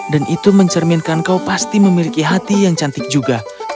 dan itu mencerminkan kau pasti memiliki hati yang cantik juga